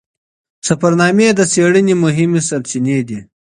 سفرنامې د څیړنې مهمې سرچینې دي.